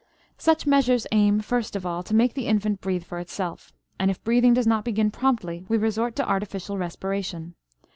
Such measures aim, first of all, to make the infant breathe for itself, and if breathing does not begin promptly we resort to artificial respiration.